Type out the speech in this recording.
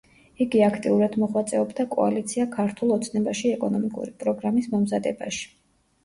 იგი აქტიურად მოღვაწეობდა კოალიცია „ქართულ ოცნებაში“ ეკონომიკური პროგრამის მომზადებაში.